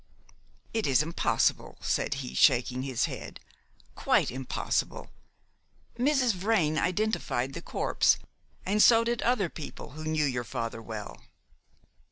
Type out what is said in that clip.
"It is impossible," said he, shaking his head, "quite impossible. Mrs. Vrain identified the corpse, and so did other people who knew your father well."